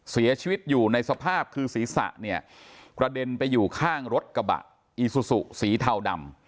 เสียชีวิตอยู่ในสภาพคือศีรษะเนี่ยกระเด็นไปอยู่ข้างรถกระบะอีซูซูสีเทาดำ